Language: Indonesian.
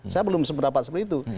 saya belum sependapat seperti itu